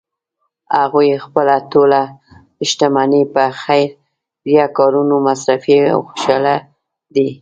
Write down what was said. هغوی خپله ټول شتمني په خیریه کارونو مصرفوی او خوشحاله دي